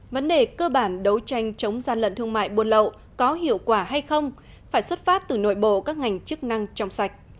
vấn đề cơ bản đấu tranh chống gian lận thương mại buôn lậu có hiệu quả hay không phải xuất phát từ nội bộ các ngành chức năng trong sạch